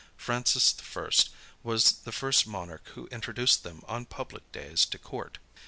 Francis I. was the first monarch who introduced them on public days to court.